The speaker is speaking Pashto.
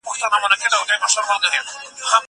که وخت وي، پوښتنه کوم.